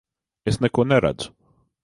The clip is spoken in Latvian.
Es neko neredzu!